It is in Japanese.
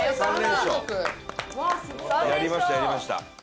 やりましたやりました。